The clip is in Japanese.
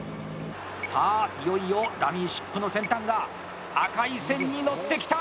さあ、いよいよダミーシップの先端が赤い線に乗ってきた！